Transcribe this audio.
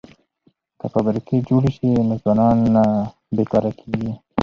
که فابریکې جوړې شي نو ځوانان نه بې کاره کیږي.